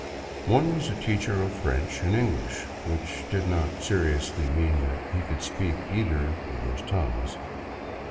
One was a teacher of French and Eng lish, which did not seriously mean that he could speak either of those tongues.